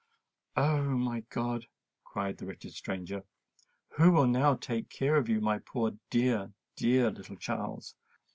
"Oh! my God!" cried the wretched stranger, "who will now take care of you, my poor dear—dear little Charles!